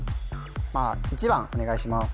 まあ１番お願いします